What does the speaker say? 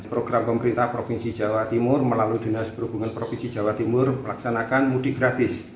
program pemerintah provinsi jawa timur melalui dinas perhubungan provinsi jawa timur melaksanakan mudik gratis